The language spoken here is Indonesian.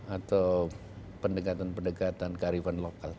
atau pendekatan pendekatan kearifan lokal